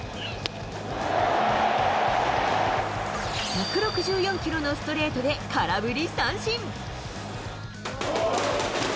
１６４キロのストレートで空振り三振。